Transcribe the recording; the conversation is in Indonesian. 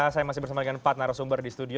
saya masih bersama dengan empat narasumber di studio